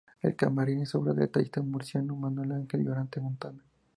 El camarín es obra del tallista murciano Manuel Ángel Lorente Montoya.